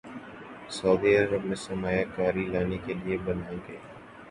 سعودی عرب میں سرمایہ کاری لانے کے لیے بنائے گئے